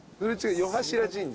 四柱神社。